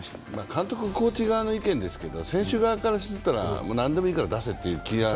監督、コーチ側の意見ですけど、選手側からすると何でもいいから出せって。